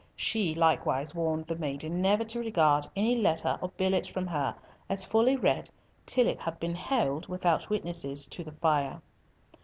She likewise warned the maiden never to regard any letter or billet from her as fully read till it had been held—without witnesses—to the fire.